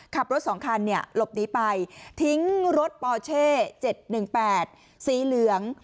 ขับรถสองคันเนี่ยหลบนี้ไปทิ้งรถปอเช่๗๑๘สีเหลือง